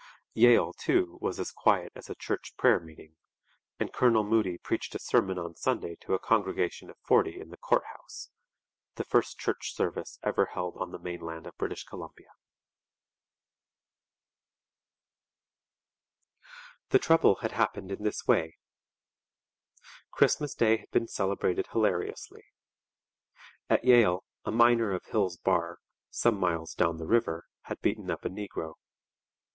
Yale, too, was as quiet as a church prayer meeting; and Colonel Moody preached a sermon on Sunday to a congregation of forty in the court house the first church service ever held on the mainland of British Columbia. [Illustration: Sir Matthew Baillie Begbie. From a portrait by Savannah.] The trouble had happened in this way. Christmas Day had been celebrated hilariously. At Yale a miner of Hill's Bar, some miles down the river, had beaten up a negro.